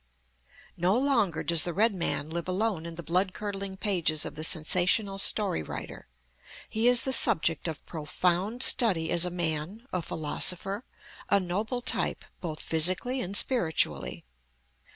No longer does the red man live alone in the blood curdling pages of the sensational story writer. He is the subject of profound study as a man, a philosopher, a noble type both physically and spiritually.